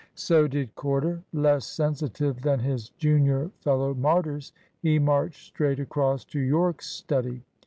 So did Corder. Less sensitive than his junior fellow martyrs, he marched straight across to Yorke's study.